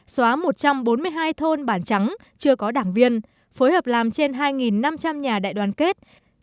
xóa một trăm bốn mươi hai thôn bản trắng chưa có đảng viên phối hợp làm trên hai năm trăm linh nhà đại đoàn kết